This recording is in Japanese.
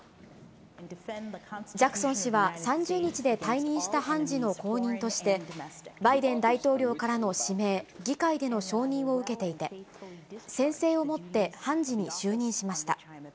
ジャクソン氏は３０日で退任した判事の後任として、バイデン大統領からの指名、議会での承認を受けていて、宣誓をもって判事に就任しました。